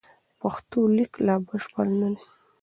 پښتو لیک لا بشپړ نه دی.